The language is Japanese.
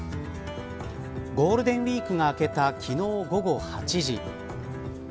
ゴールデンウイークが明けた昨日午後８時。